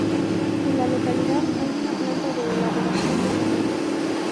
En la localidad hay una planta de elaboración de cemento.